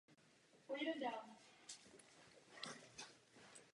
Ve své hudbě kombinuje prvky americké a kubánské jazzové tradice.